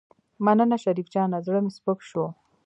مننه شريف جانه زړه مې سپک شو.